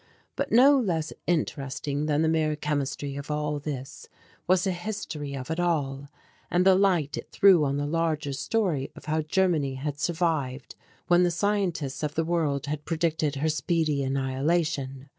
But no less interesting than the mere chemistry of all this was the history of it all, and the light it threw on the larger story of how Germany had survived when the scientists of the world had predicted her speedy annihiliation.